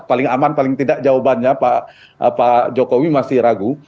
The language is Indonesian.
paling aman paling tidak jawabannya pak jokowi masih ragu